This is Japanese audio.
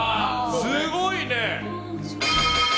すごいね。